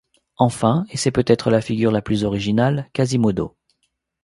Enfin, et c’est peut-être la figure la plus originale, Quasimodo...